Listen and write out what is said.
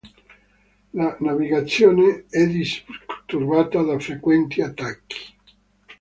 La navigazione è disturbata da frequenti attacchi.